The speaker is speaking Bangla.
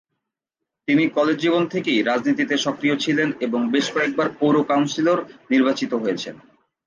তিনি কলেজ জীবন থেকেই রাজনীতিতে সক্রিয় ছিলেন এবং বেশ কয়েকবার পৌর কাউন্সিলর নির্বাচিত হয়েছেন।